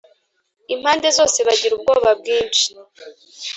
impande zose bagira ubwoba bwinshi